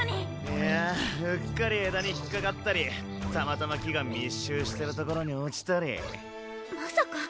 いやうっかり枝に引っ掛かったりたまたま木が密集してる所に落ちたりまさか。